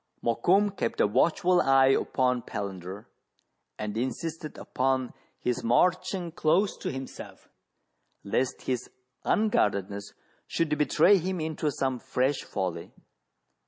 Mokoum kept a watchful eye upon Palander, and insisted upon his marching close to himself, lest his unguardedness should betray him into some fresh folly.